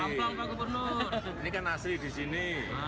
ini kan asli di sini